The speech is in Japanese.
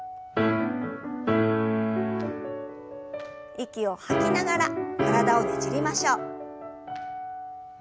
息を吐きながら体をねじりましょう。